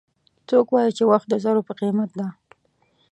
څوک وایي چې وخت د زرو په قیمت ده